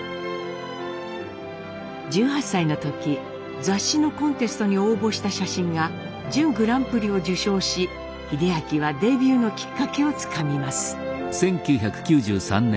１８歳の時雑誌のコンテストに応募した写真が準グランプリを受賞し英明はデビューのきっかけをつかみます。